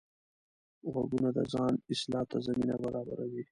غوږونه د ځان اصلاح ته زمینه برابروي